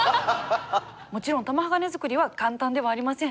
もちろん玉鋼づくりは簡単ではありません。